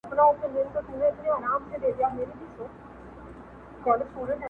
یو موږک را څه په سپینو سترګو وړی,